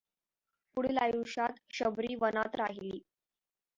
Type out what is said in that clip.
पुढील आयुष्यात शबरी वनात राहिली.